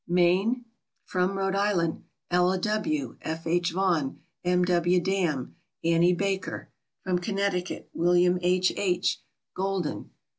Maine. From Rhode Island Ella W., F. H. Vaughn, M. W. Dam, Annie Baker. From Connecticut William H. H., "Golden."